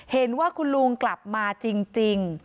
เห็นว่าคุณลุงกลับมาจริง